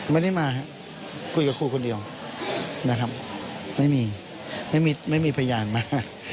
ไม่ได้มาครับคุยกับครูคนเดียวนะครับไม่มีไม่มีพยานมา